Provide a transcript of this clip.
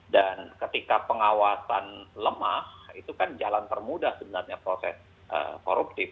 dan ketika pengawasan lemah itu kan jalan termuda sebenarnya proses koruptif